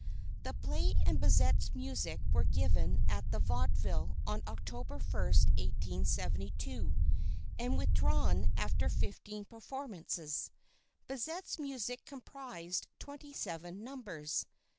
The play and Bizet's music were given at the Vaudeville on October 1, 1872, and withdrawn after fifteen performances. Bizet's music comprised twenty seven numbers.